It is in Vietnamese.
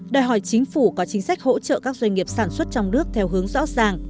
đòi hỏi chính phủ có chính sách hỗ trợ các doanh nghiệp sản xuất trong nước theo hướng rõ ràng